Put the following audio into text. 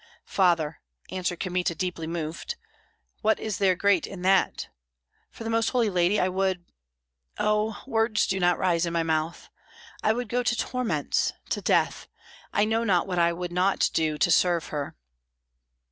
"Father," answered Kmita, deeply moved, "what is there great in that? For the Most Holy Lady I would Oh! words do not rise in my mouth I would go to torments, to death. I know not what I would not do to serve Her."